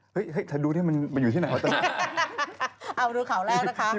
เฮ้ยเฮ้ยเธอดูนี่มันมันอยู่ที่ไหนเหรอตรงนี้